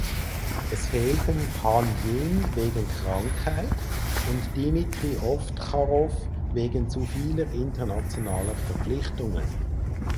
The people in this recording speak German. Es fehlten Han Ying wegen Krankheit und Dimitrij Ovtcharov wegen zu vieler internationaler Verpflichtungen.